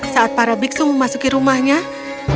saat para biksu memasuki rumahnya mereka berpikir